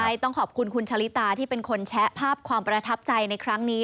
ใช่ต้องขอบคุณคุณชะลิตาที่เป็นคนแชะภาพความประทับใจในครั้งนี้